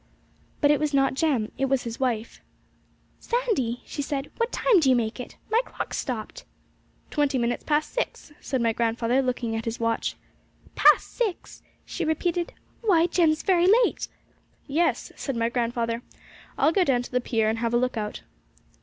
But it was not Jem; it was his wife. 'Sandy,' she said, 'what time do you make it? My clock's stopped!' 'Twenty minutes past six,' said my grandfather, looking at his watch. 'Past six!' she repeated. 'Why, Jem's very late!' 'Yes,' said my grandfather; 'I'll go down to the pier, and have a look out.'